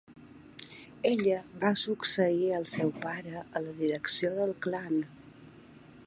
Ella va succeir al seu pare a la direcció del clan.